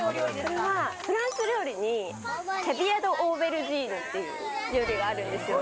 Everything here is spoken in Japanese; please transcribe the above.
これはフランス料理に、キャビア・ド・オーベルジーヌっていう料理があるんですよ。